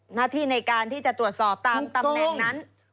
หน้าที่ในการที่จะตรวจสอบตามตำแหน่งนั้น